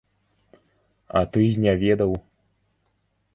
А ты і не ведаў?!